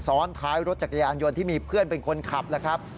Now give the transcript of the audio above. ซ้อนท้ายรถจักรยานยนต์ที่มีเพื่อนเป็นคนขับแล้วครับ